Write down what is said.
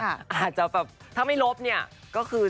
อาจจะแบบถ้าไม่ลบเนี่ยก็คือ